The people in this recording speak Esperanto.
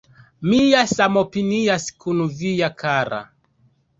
Mia samopinias kun via kara